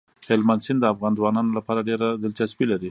هلمند سیند د افغان ځوانانو لپاره ډېره دلچسپي لري.